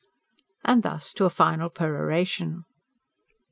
... and thus to a final peroration.